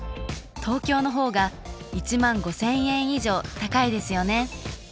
東京の方が１５，０００円以上高いですよね。